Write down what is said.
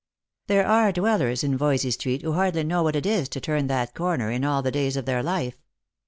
There are dwellers in Voysey street who hardly know what it is to turn that corner in all the days of their life.